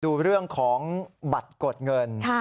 ดูเรื่องของบัตรกดเงิน